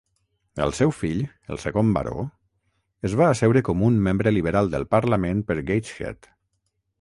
El seu fill, el segon Baró, es va asseure com un membre Liberal del Parlament per Gateshead.